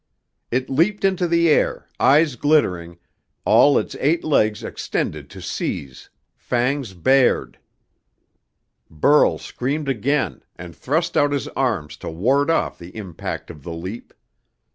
It leaped into the air, eyes glittering, all its eight legs extended to seize, fangs bared Burl screamed again, and thrust out his arms to ward off the impact of the leap.